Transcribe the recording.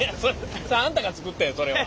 それあんたが作ってんそれは。